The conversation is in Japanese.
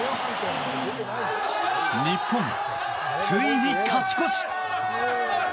日本、ついに勝ち越し！